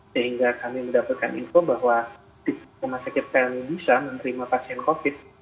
sehingga kami mendapatkan info bahwa rumah sakit tni bisa menerima pasien covid